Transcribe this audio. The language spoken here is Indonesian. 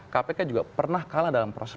kpk juga pernah kalah dalam proses